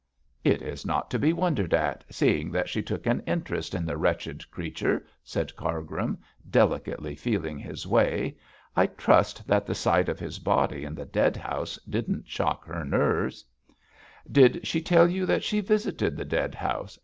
'It is not to be wondered at, seeing that she took an interest in the wretched creature,' said Cargrim, delicately feeling his way. 'I trust that the sight of his body in the dead house didn't shock her nerves.' 'Did she tell you she visited the dead house?'